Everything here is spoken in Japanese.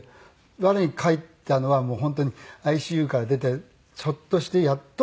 我に返ったのは本当にＩＣＵから出てちょっとしてやっと。